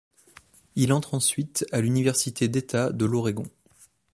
Il entre ensuite à l'université d'État de l'Oregon.